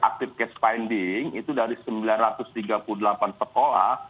active case spending itu dari sembilan ratus tiga puluh delapan sekolah